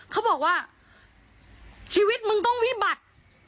เขาบอกว่าชีวิตมึงต้องวิบัติ